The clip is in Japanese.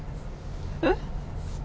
えっ？